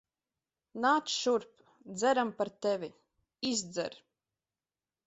Nāc šurp. Dzeram par tevi. Izdzer.